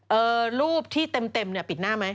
รูปที่เต็มเนี่ยปิดหน้าไหม